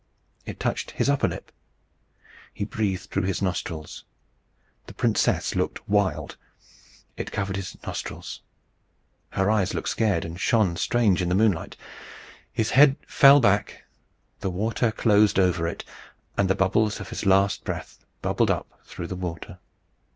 It touched his upper lip. He breathed through his nostrils. The princess looked wild. It covered his nostrils. Her eyes looked scared, and shone strange in the moonlight. His head fell back; the water closed over it, and the bubbles of his last breath bubbled up through the water.